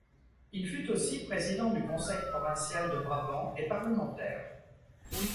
Il fut aussi président du conseil provincial de Brabant et parlementaire.